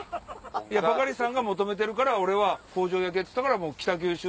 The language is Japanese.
バカリさんが求めてるから工場夜景っつったから北九州。